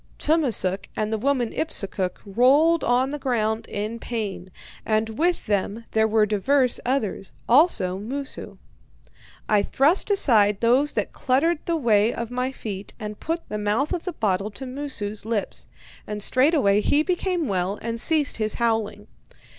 Tummasook and the woman Ipsukuk rolled on the ground in pain, and with them there were divers others, also Moosu. I thrust aside those that cluttered the way of my feet, and put the mouth of the bottle to Moosu's lips. And straightway he became well and ceased his howling.